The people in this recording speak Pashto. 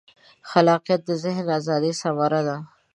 خلاقیت د ذهن د ازادۍ ثمره ده.